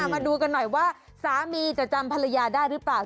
มาดูกันหน่อยว่าสามีจะจำภรรยาได้หรือเปล่า